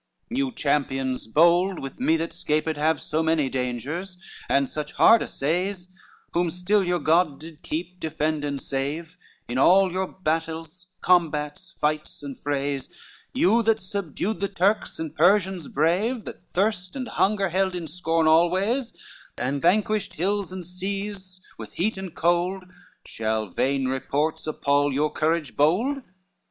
XC "You champions bold, with me that 'scaped have So many dangers, and such hard assays, Whom still your God did keep, defend and save In all your battles, combats, fights and frays, You that subdued the Turks and Persians brave, That thirst and hunger held in scorn always, And vanquished hills, and seas, with heat and cold, Shall vain reports appal your courage bold?